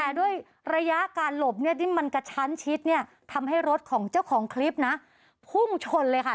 แต่ด้วยระยะการหลบเนี่ยที่มันกระชั้นชิดเนี่ยทำให้รถของเจ้าของคลิปนะพุ่งชนเลยค่ะ